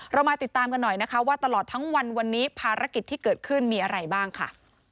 มาติดตามกันหน่อยนะคะว่าตลอดทั้งวันวันนี้ภารกิจที่เกิดขึ้นมีอะไรบ้างค่ะ